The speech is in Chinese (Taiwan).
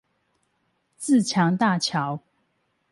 自強大橋